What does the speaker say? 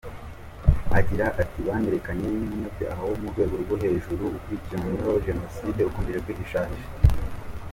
Agira ati "Banyerekanye nk’umunyabyaha wo ku rwego rwo hejuru ukurikiranweho Jenoside, ukomeje kwihishahisha.